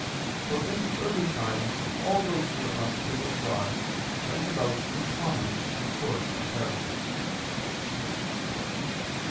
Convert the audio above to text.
For in the early times all those who were consecrated to God went about in common and coarse apparel."